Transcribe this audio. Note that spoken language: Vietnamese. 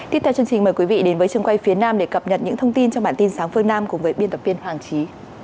tiếp theo chương trình mời quý vị đến với trường quay phía nam để cập nhật những thông tin trong bản tin sáng phương nam cùng với biên tập viên hoàng trí